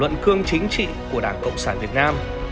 luận cương chính trị của đảng cộng sản việt nam